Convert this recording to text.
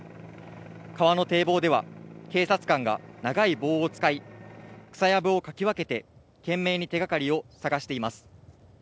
川の堤防では警察官が長い棒を使い、草やぶをかき分けて懸命に手がかりを探しています。